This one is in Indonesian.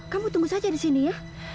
kamu tunggu saja di sini ya